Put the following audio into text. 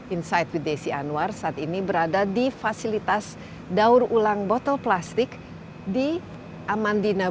insight with desi anwar saat ini berada di fasilitas daur ulang botol plastik di amandina